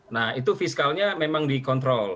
nah itu fiskalnya memang dikontrol